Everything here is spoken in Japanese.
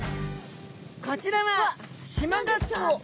こちらはシマガツオ。